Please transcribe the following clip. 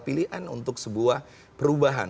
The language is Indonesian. kepentingan untuk sebuah perubahan